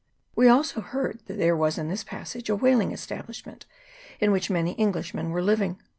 We also heard that there was in this passage a whaling establishment, in which many Englishmen were living.